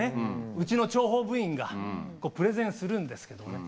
うちの諜報部員がプレゼンするんですけどね。